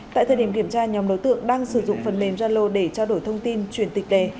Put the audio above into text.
tại thời điểm kiểm tra nhóm đối tượng đang sử dụng phần mềm zalo để trao đổi thông tin truyền tịch đề